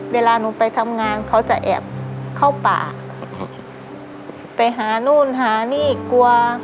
เวลาหนูไปทำงานเขาจะแอบเข้าป่าไปหานู่นหานี่กลัว